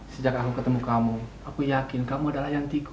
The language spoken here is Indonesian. sejak aku ketemu kamu aku yakin kamu adalah yantiku